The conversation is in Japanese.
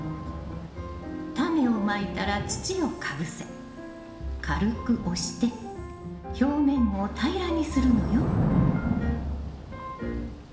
タネをまいたら土をかぶせ軽く押して表面を平らにするのよ。